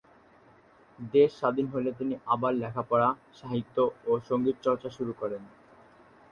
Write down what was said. দেশ স্বাধীন হলে তিনি আবার লেখাপড়া, সাহিত্য ও সংগীত চর্চা শুরু করেন।